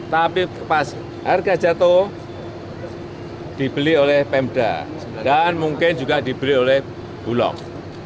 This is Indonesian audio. tapi pas harga jatuh dibeli oleh pemda dan mungkin juga dibeli oleh bulog